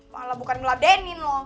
malah bukan ngeladenin lo